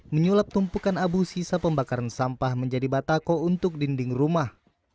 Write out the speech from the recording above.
menyulap tumpukan abu sisa pembakaran sampah menjadi batako untuk dinding rumah